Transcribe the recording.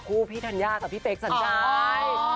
พี่ธัญญากับพี่เป๊กสัญญา